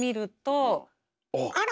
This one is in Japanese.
あら！